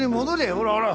ほらほら。